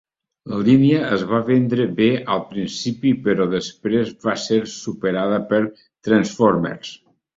La línia es va vendre bé al principi però després va ser superada per Transformers.